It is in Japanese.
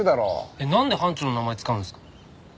えっなんで班長の名前使うんすか？